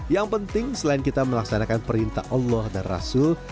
yang penting selain kita melaksanakan perintah allah dan rasul